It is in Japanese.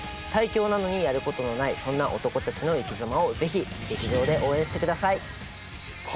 最強なのにやることのないそんな男たちの生きざまをぜひ劇場で応援してください